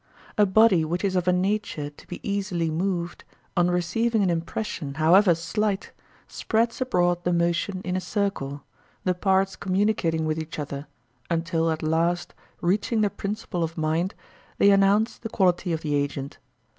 A body which is of a nature to be easily moved, on receiving an impression however slight, spreads abroad the motion in a circle, the parts communicating with each other, until at last, reaching the principle of mind, they announce the quality of the agent.